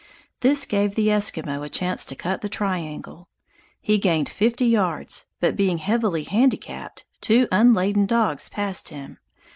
This gave the Eskimo a chance to cut the triangle. He gained fifty yards, but being heavily handicapped, two unladen dogs passed him.